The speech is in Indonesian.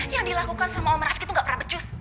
yang dilakukan sama om rafiq itu gak pernah becus